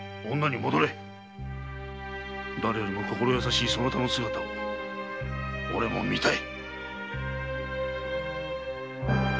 だれよりも心優しいそなたの姿を俺も見たい。